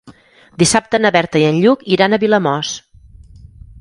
Dissabte na Berta i en Lluc iran a Vilamòs.